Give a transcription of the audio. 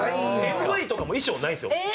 ＭＶとかも衣装ないんすよ。